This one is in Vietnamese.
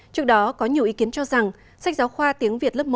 trước đó có nhiều ý kiến cho rằng sách giáo khoa tiếng việt lớp một